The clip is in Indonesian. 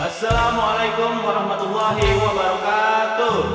assalamualaikum warahmatullahi wabarakatuh